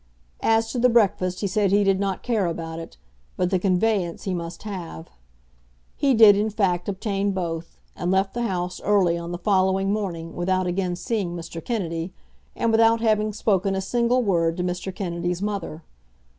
As to the breakfast, he said he did not care about it, but the conveyance he must have. He did, in fact, obtain both, and left the house early on the following morning without again seeing Mr. Kennedy, and without having spoken a single word to Mr. Kennedy's mother.